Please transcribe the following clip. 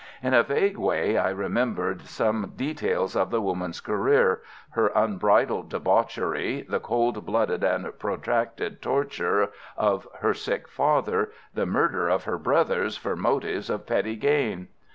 In a vague way I remembered some details of the woman's career, her unbridled debauchery, the coldblooded and protracted torture of her sick father, the murder of her brothers for motives of petty gain.